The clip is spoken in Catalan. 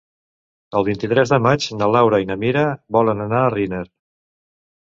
El vint-i-tres de maig na Laura i na Mira volen anar a Riner.